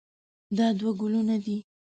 دا دوه ګلونه دي.